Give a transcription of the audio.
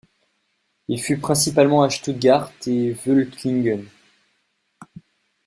Il fut actif principalement à Stuttgart et Völklingen.